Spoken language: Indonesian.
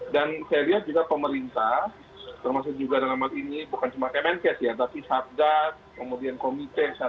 dan saya lihat juga pemerintah termasuk juga dalam hal ini bukan cuma mnks ya tapi sabdat kemudian komite saat ini lebih banyak